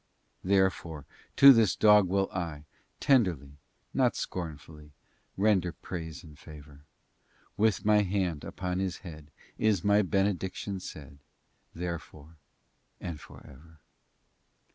XIV Therefore to this dog will I, Tenderly, not scornfully, Render praise and favor: With my hand upon his head, Is my benediction said Therefore and forever.